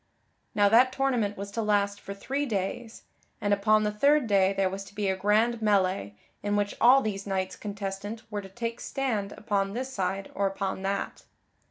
Now that tournament was to last for three days, and upon the third day there was to be a grand melee in which all these knights contestant were to take stand upon this side or upon that.